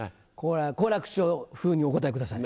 好楽師匠風にお答えください。